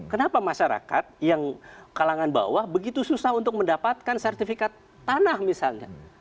kenapa masyarakat yang kalangan bawah begitu susah untuk mendapatkan sertifikat tanah misalnya